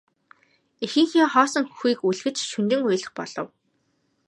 Эхийнхээ хоосон хөхийг үлгэж шөнөжин уйлах болов.